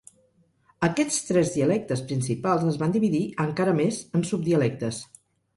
Aquests tres dialectes principals es van dividir encara més en subdialectes.